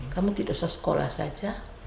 kami tidak usah sekolah saja